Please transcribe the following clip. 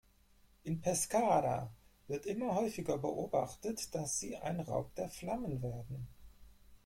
In Pescara wird immer häufiger beobachtet, dass sie ein Raub der Flammen werden.